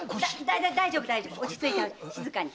大丈夫落ち着いて静かに。